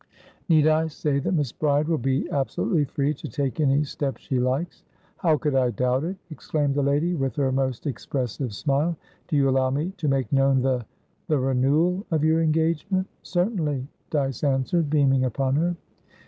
"Need I say that Miss Bride will be absolutely free to take any step she likes?" "How could I doubt it?" exclaimed the lady, with her most expressive smile. "Do you allow me to make known thethe renewal of your engagement?" "Certainly," Dyce answered, beaming upon her.